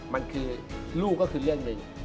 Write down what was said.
มันคือลูกก็คือเรื่องหนึ่ง